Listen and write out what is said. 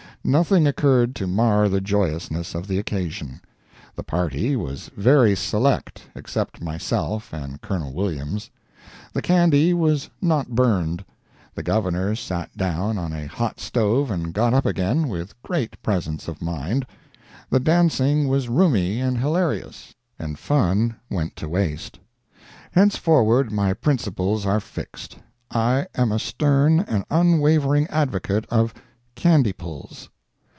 Nothing occurred to mar the joyousness of the occasion. The party was very select except myself and Col. Williams; the candy was not burned; the Governor sat down on a hot stove and got up again with great presence of mind; the dancing was roomy and hilarious, and fun went to waste. Henceforward my principles are fixed. I am a stern and unwavering advocate of "candy pulls."